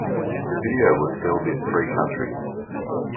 The video was filmed in three countries.